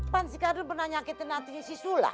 pan si gardung pernah nyakitin hatinya si sulam